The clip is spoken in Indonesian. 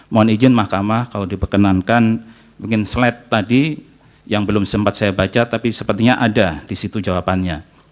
mohon izin mahkamah kalau diperkenankan mungkin slade tadi yang belum sempat saya baca tapi sepertinya ada di situ jawabannya